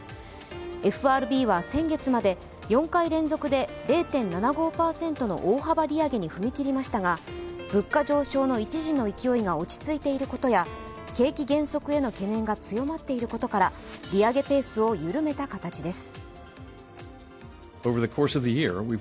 ＦＲＢは先月まで４回連続で０．７５％の大幅利上げに踏み切りましたが物価上昇の一時の勢いが落ち着いていることや景気減速への懸念が強まっていることから利上げペースを緩めた形です。